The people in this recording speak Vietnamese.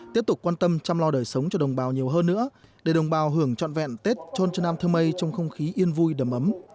tiếp tục quan tâm chăm lo đời sống cho đồng bào nhiều hơn nữa để đồng bào hưởng trọn vẹn tết trôn trần nam thơ mây trong không khí yên vui đầm ấm